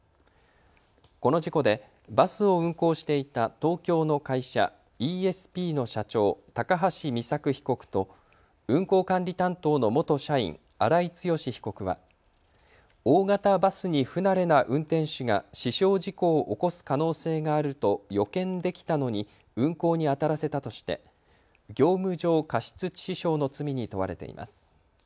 この事故でバスを運行していた東京の会社、イーエスピーの社長、高橋美作被告と運行管理担当の元社員、荒井強被告は大型バスに不慣れな運転手が死傷事故を起こす可能性があると予見できたのに運行にあたらせたとして業務上過失致死傷の罪に問われています。